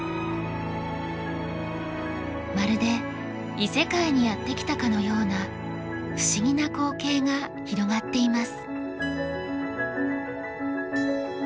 まるで異世界にやって来たかのような不思議な光景が広がっています。